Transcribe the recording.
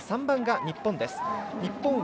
３番が日本。